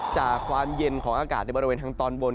จากความเย็นของอากาศในบริเวณทางตอนบน